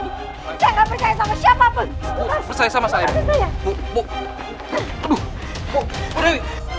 saya gak bersaya sama siapa pun